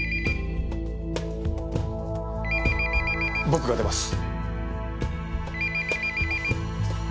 僕が出ます。